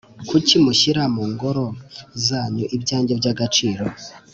kucyi mushyira mu ngoro zanyu ibyanjye by’agaciro,